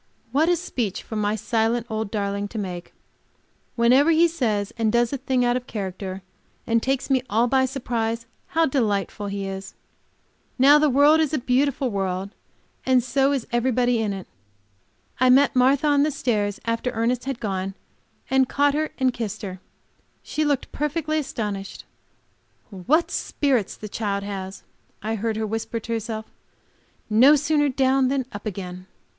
What a speech for my silent old darling to make! Whenever he says and does a thing out of character, and takes me all by surprise, how delightful he is! Now the world is a beautiful world, and so is everybody in it. I met Martha on the stairs after Ernest had gone, and caught her and kissed her. She looked perfectly astonished. "What spirits the child has!" I heard her whisper to herself; "no sooner down than up again."